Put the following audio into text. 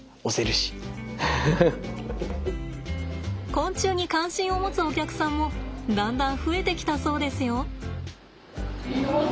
昆虫に関心を持つお客さんもだんだん増えてきたそうですよ。